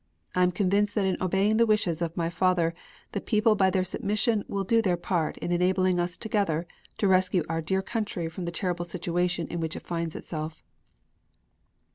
I am convinced that in obeying the wishes of my father the people by their submission will do their part in enabling us together to rescue our dear country from the terrible situation in which it finds itself.